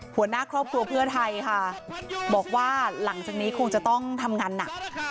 หัวหน้าครอบครัวเพื่อไทยค่ะบอกว่าหลังจากนี้คงจะต้องทำงานหนัก